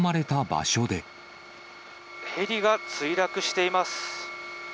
ヘリが墜落しています。